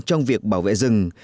trong việc bảo vệ rừng